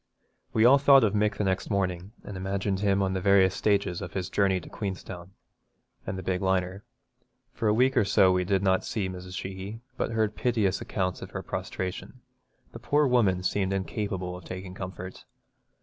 We all thought of Mick the next morning, and imagined him on the various stages of his journey to Queenstown, and the big liner. For a week or so we did not see Mrs. Sheehy, but heard piteous accounts of her prostration. The poor woman seemed incapable of taking comfort.